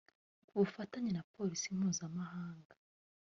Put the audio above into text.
Ku bufatanye na Polisi mpuzamahanga